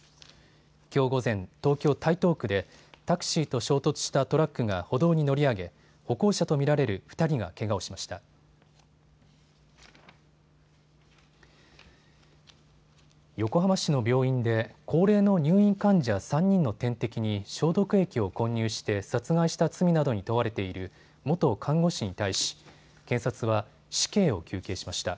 きょう午前、東京台東区でタクシーと衝突したトラックが歩道に乗り上げ歩行者と見られる２人がけがをしました。